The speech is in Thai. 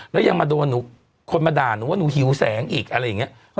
แล้วยังมาโดนคนมาด่าหนูว่าหนูหิวแสงอีกอะไรอย่างนี้